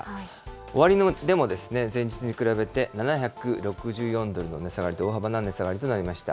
終値でも前日に比べて７６４ドルの値下がりと、大幅な値下がりとなりました。